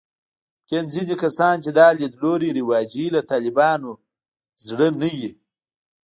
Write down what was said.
ممکن ځینې کسان چې دا لیدلوري رواجوي، له طالبانو زړه نه وي